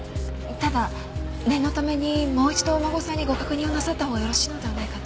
ただ念のためにもう一度お孫さんにご確認をなさったほうがよろしいのではないかと。